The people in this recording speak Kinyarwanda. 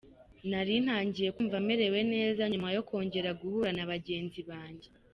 Nari ntangiye kumva merewe neza nyuma yo kongera guhura na bagenzi banjye.